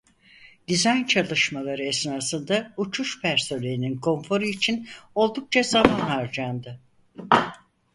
Dizayn çalışmaları esnasında uçuş personelinin konforu için oldukça zaman harcandı.